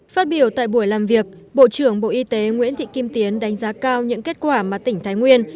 phát biểu tại buổi làm việc bộ trưởng bộ y tế nguyễn thị kim tiến đánh giá cao những kết quả mà tỉnh thái nguyên